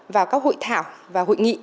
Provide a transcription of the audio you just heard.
vào các hội thảo và hội nghị